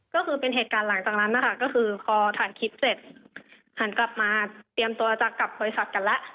ก็คือเป็นเหตุการณ์หลังจากนั้นนะคะก็คือพอถ่ายคลิปเสร็จหันกลับมาเตรียมตัวจะกลับบริษัทกันแล้ว